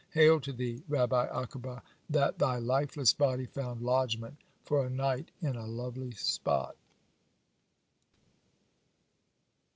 Hail to thee, Rabbi Akiba, that thy lifeless body found lodgment for a night in a lovely spot."